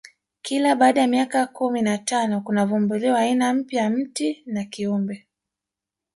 kila baada ya miaka kumi na tano kunavumbuliwa aina mpya ya mti na kiumbe